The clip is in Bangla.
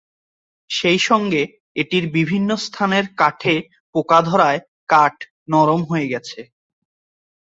সেই সঙ্গে এটির বিভিন্ন স্থানের কাঠে পোকা ধরায় কাঠ নরম হয়ে গেছে।